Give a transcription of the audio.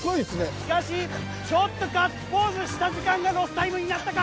しかしちょっとガッツポーズした時間がロスタイムになったか？